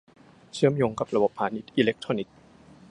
เชื่อมโยงกับระบบพาณิชย์อิเล็กทรอนิกส์